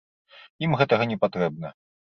Ім гэтага не патрэбна.